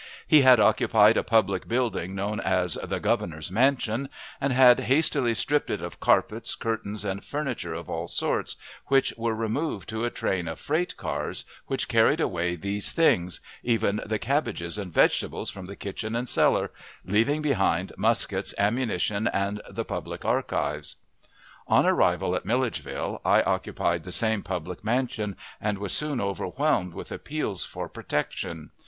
He had occupied a public building known as the "Governor's Mansion," and had hastily stripped it of carpets, curtains, and furniture of all sorts, which were removed to a train of freight cars, which carried away these things even the cabbages and vegetables from his kitchen and cellar leaving behind muskets, ammunition, and the public archives. On arrival at Milledgeville I occupied the same public mansion, and was soon overwhelmed with appeals for protection.